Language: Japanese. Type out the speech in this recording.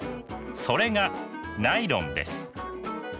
それがナイロンです。